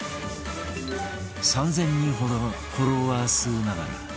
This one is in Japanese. ３０００人ほどのフォロワー数ながら